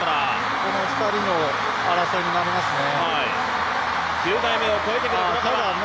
この２人の争いになりますね